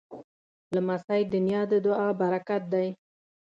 لمسی د نیا د دعا پرکت دی.